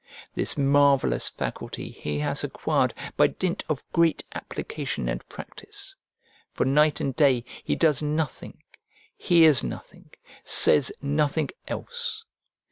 This marvellous faculty he has acquired by dint of great application and practice, for night and day he does nothing, hears nothing, says nothing else.